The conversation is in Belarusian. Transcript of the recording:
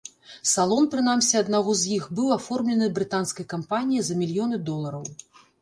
Салон прынамсі аднаго з іх быў аформлены брытанскай кампаніяй за мільёны долараў.